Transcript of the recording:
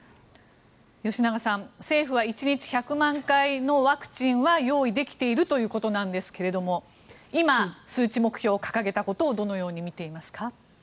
吉永さん、政府は１日１００万回のワクチンは用意できているということなんですけれども今、数値目標を掲げたことをどのように見ていますか。